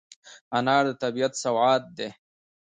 انار د طبیعت سوغات دی.